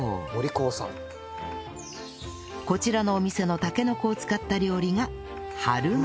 こちらのお店のたけのこを使った料理が